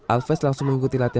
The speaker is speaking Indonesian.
alves langsung mengikuti langkahnya